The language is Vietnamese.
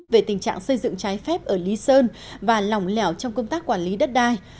về tình trạng xây dựng trái phép ở lý sơn và lòng lẻo trong công tác quản lý đất đai